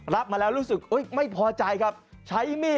รับหัวปากตัวท้องว่านี่